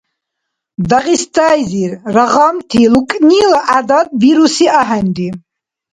Дагъистайзир рагъамти лукӀнила гӀядат бируси ахӀенри.